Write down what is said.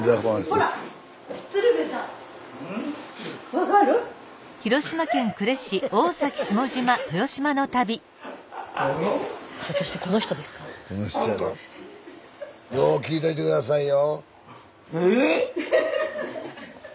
よう聞いといてくださいよ。